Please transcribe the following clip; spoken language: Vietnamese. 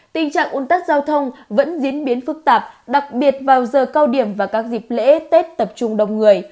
tình trạng un tắc giao thông vẫn diễn biến phức tạp đặc biệt vào giờ cao điểm và các dịp lễ tết tập trung đông người